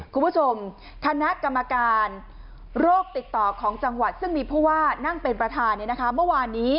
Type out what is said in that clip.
คุณผู้ชมคณะกรรมการโรคติดต่อของจังหวัดซึ่งมีผู้ว่านั่งเป็นประธานเมื่อวานนี้